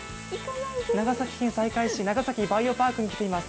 長崎県西海市、長崎バイオパークに来ています。